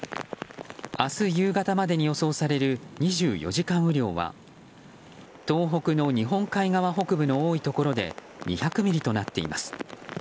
明日夕方までに予想される２４時間雨量は東北日本海側北部の多いところで２００ミリとなっています。